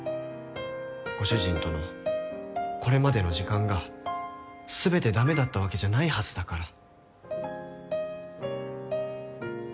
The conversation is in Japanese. ご主人とのこれまでの時間が全て駄目だったわけじゃないはずだから。